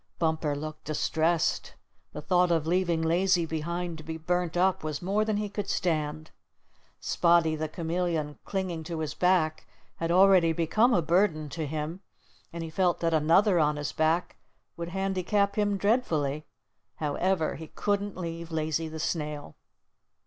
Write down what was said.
Bumper looked distressed. The thought of leaving Lazy behind to be burnt up was more than he could stand. Spotty the Chameleon clinging to his back had already become a burden to him, and he felt that another on his back would handicap him dreadfully. However, he couldn't leave Lazy the Snail.